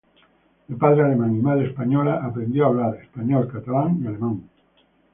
De padre alemán y madre española, aprendió a hablar español, catalán y alemán.